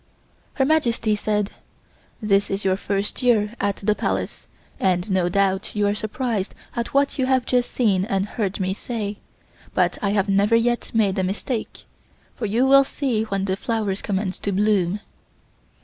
Her Majesty said: "This is your first year at the Palace and no doubt you are surprised at what you have just seen and heard me say, but I have never yet made a mistake. For you will see when the flowers commence to bloom."